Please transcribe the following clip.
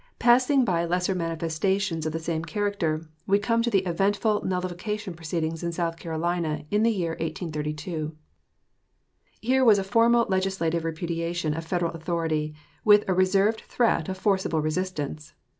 Passing by lesser manifestations of the same character, we come to the eventful nullification proceeding in South Carolina in the year 1832. Here was a formal legislative repudiation of Federal authority with a reserved threat of forcible resistance.